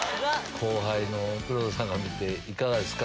後輩の黒田さんから見ていかがですか？